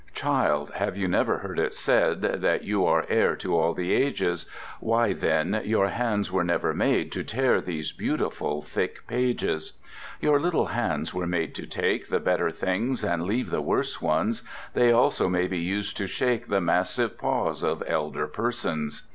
Child, have you never heard it said That you are heir to all the ages? Why, then, your hands were never made To tear these beautiful thick pages! Your little hands were made to take The better things and leave the worse ones. They also may be used to shake The Massive Paws of Elder Persons.